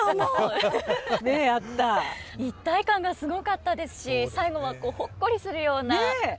一体感がすごかったですし最後はほっこりするような恋のお話でしたよね。